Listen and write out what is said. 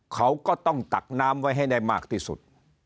เขาก็ต้องตักน้ำไว้ให้ได้มากที่สุด